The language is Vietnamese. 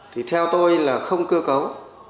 thì theo tôi là không cơ cấu